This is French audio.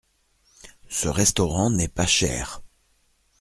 Ce restaurant n’est pas cher.